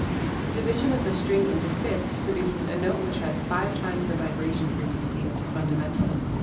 The division of the string into fifths pro duces a note which has five times the vibration frequency of the fundamental.